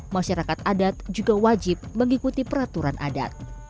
masyarakat adat juga wajib mengikuti peraturan adat